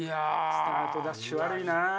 スタートダッシュ悪いなぁ！